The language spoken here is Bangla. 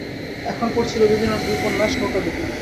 এখন পড়ছি রবীন্দ্রনাথের উপন্যাস নৌকাডুবি।